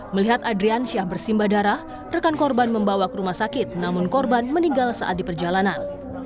melihat ardiansyah bersimba darah rekan korban membawa ke rumah sakit namun korban meninggal saat diperjalanan